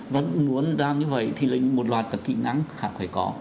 vẫn muốn làm như vậy thì một loạt các kỹ năng phải có